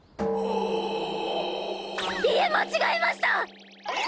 家間違えました！